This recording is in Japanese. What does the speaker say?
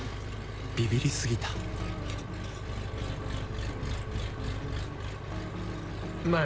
ビビり過ぎたうまい。